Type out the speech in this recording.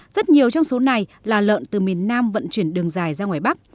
rất nhiều trong số này là lợn từ miền nam vận chuyển đường dài ra ngoài bắc